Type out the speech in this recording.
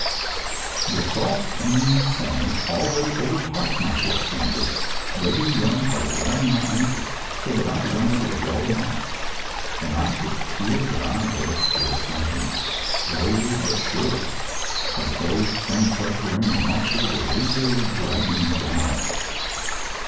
The soft, clinging sand already overtopped my horseskin boots, wedging them around my ankles, so that I was unable to draw them off; and I could feel that I was still sinking, slowly but surely, as though some subterranean monster were leisurely dragging me down!